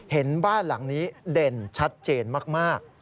เห็นบ้านหลังนี้เด่นชัดเจนมาก